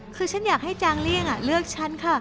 คือฉันอยากให้จางเลี่ยงเลือกฉันค่ะ